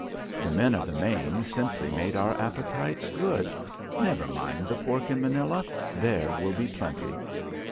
The men of the Maine simply made our appetites good. Never mind the pork in Manila. There will be plenty."